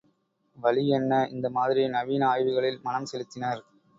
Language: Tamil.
வழி என்ன? இந்த மாதிரி நவீன ஆய்வுகளில் மனம் செலுத்தினர்.